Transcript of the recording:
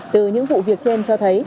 từ những vụ việc trên cho thấy